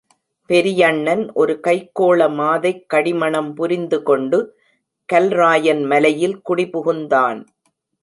பெரியண்ணன் ஒரு கைக்கோள மாதைக் கடிமணம் புரிந்து கொண்டு, கல்ராயன் மலையில் குடி புகுந்தான்.